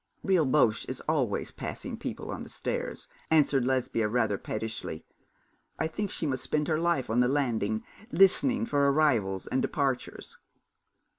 'Rilboche is always passing people on the stairs,' answered Lesbia rather pettishly. 'I think she must spend her life on the landing, listening for arrivals and departures.'